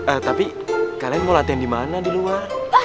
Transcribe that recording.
ehm tapi kalian mau latihan dimana di luar